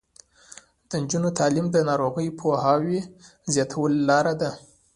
د نجونو تعلیم د ناروغیو پوهاوي زیاتولو لاره ده.